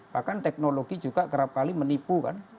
bahkan teknologi juga kerap kali menipu kan